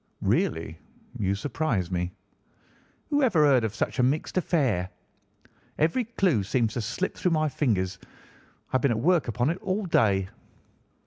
"Really! You surprise me." "Who ever heard of such a mixed affair? Every clue seems to slip through my fingers. I have been at work upon it all day."